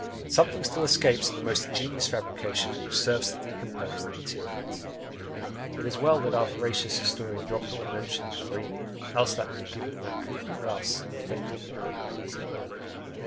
Something still escapes in the most ingenious fabrication which serves to decompose the materials. It is well our veracious historian dropped all mention of Guarini else that would have given that coup de grace a fatal anachronism!